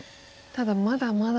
ただまだまだ。